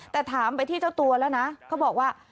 แต่ถามไปที่เจ้าตัวแล้วนะเขาบอกว่า